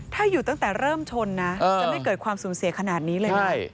ถ้าอยู่ตั้งแต่เริ่มชนนะจะไม่เกิดความสูญเสียขนาดนี้เลยนะ